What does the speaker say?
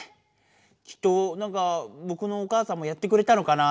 きっとなんかぼくのお母さんもやってくれたのかな